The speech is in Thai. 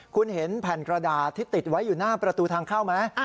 คุณเห็นแผ่นกระดาษที่ติดไว้อยู่หน้าประตูทางเข้าไหม